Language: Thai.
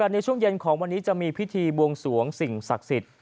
ในช่วงเย็นของวันนี้จะมีพิธีบวงสวงสิ่งศักดิ์สิทธิ์